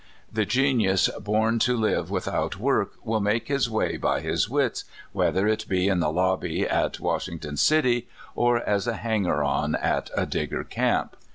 The genius born to live without 140 CALIFORNIA SKETCHES. work will make his wa}^ by his wits, whether it be in the lobby at Washington City or as a hanger on at a Digger camp.